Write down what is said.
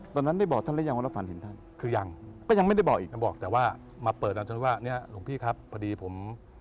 ตอนนั้นได้บอกท่านแล้วยังว่าฝันเห็นท่านคือยังยังไม่ได้บอกอีกแต่ว่ามาเปิดแล้วนี่หลวงพี่ครับพอดีผม